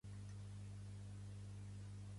Posa la cançó "Que tinguem sort" que m'agrada molt.